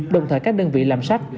đồng thời các đơn vị làm sách